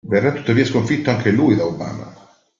Verrà tuttavia sconfitto anche lui da Obama.